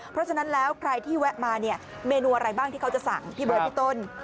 เพราะฉะนั้นแล้วใครที่แวะมาเนี่ยเมนูอะไรบ้างที่เขาจะสั่งพี่เบิร์ดพี่ต้น